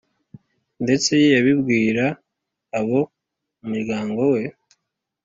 ndetse yabibwira abo mu muryango we